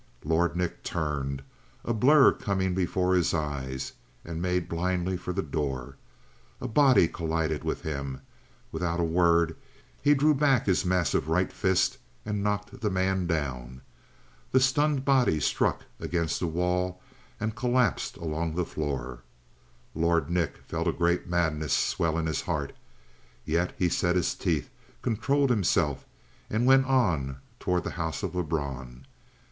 Lord Nick turned, a blur coming before his eyes, and made blindly for the door. A body collided with him; without a word he drew back his massive right fist and knocked the man down. The stunned body struck against the wall and collapsed along the floor. Lord Nick felt a great madness swell in his heart. Yet he set his teeth, controlled himself, and went on toward the house of Lebrun.